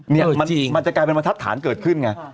นี่มันจริงมันจะกลายเป็นมาทัศน์เกิดขึ้นไง